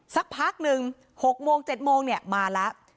สักพักหนึ่ง๖โมง๗โมงเนี่ยมาแล้ว